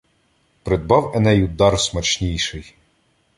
Придбав Енею дар смачнійший: